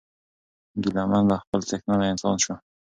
ګیله من له خپل څښتنه له انسان سو